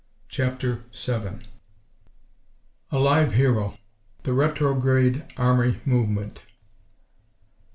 CHAPTER VII. _A Live Hero—The Retrograde Army Movement.